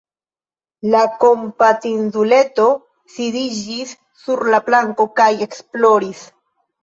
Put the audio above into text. La kompatinduleto sidiĝis sur la planko kaj ekploris.